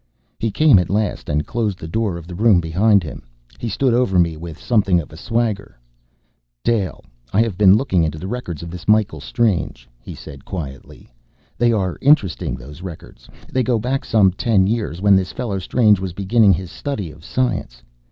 He came at last, and closed the door of the room behind him. He stood over me with something of a swagger. "Dale, I have been looking into the records of this Michael Strange," he said quietly. "They are interesting, those records. They go back some ten years, when this fellow Strange was beginning his study of science.